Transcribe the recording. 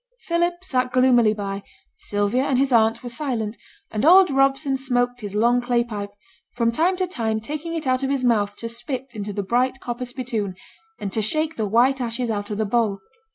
Philip sat gloomily by; Sylvia and his aunt were silent, and old Robson smoked his long clay pipe, from time to time taking it out of his mouth to spit into the bright copper spittoon, and to shake the white ashes out of the bowl.